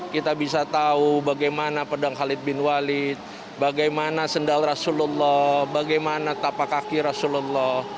kita bisa tahu bagaimana pedang khalid bin walid bagaimana sendal rasulullah bagaimana tapak kaki rasulullah